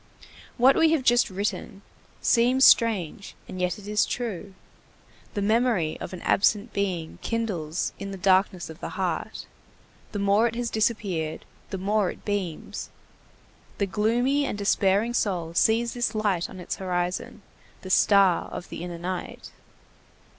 What we have just written seems strange, and yet it is true. The memory of an absent being kindles in the darkness of the heart; the more it has disappeared, the more it beams; the gloomy and despairing soul sees this light on its horizon; the star of the inner night.